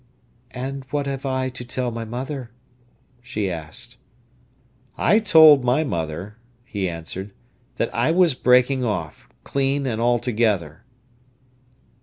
"And what have I to tell my mother?" she asked. "I told my mother," he answered, "that I was breaking off—clean and altogether."